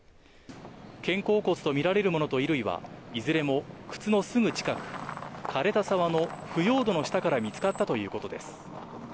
肩甲骨と見られるものと衣類は、いずれも靴のすぐ近く、かれた沢の腐葉土の下から見つかったということです。